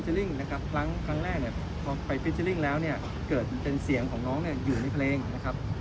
นะครับครั้งครั้งแรกเนี้ยพอไปแล้วเนี้ยเกิดเป็นเสียงของน้องเนี้ยอยู่ในเพลงนะครับ